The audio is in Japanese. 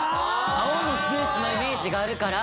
青のスーツのイメージがあるから。